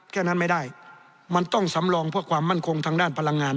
แค่นั้นไม่ได้มันต้องสำรองเพื่อความมั่นคงทางด้านพลังงาน